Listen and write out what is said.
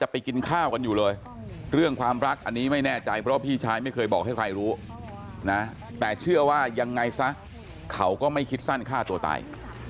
ไม่แน่ใจเพราะพี่ชายไม่เคยบอกให้ใครรู้นะแต่เชื่อว่ายังไงซะเขาก็ไม่คิดสั้นฆ่าตัวตาย